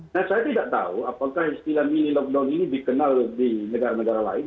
nah saya tidak tahu apakah istilah mini lockdown ini dikenal di negara negara lain